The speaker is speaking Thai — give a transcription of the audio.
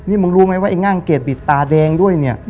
นี่มึงรู้ไหมว่าไอ้ง่างเกรดบิดตาแดงด้วยเนี่ย